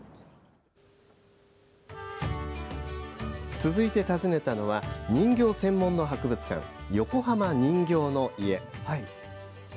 続いて訪ねたのは人形専門の博物館・横浜人形の家。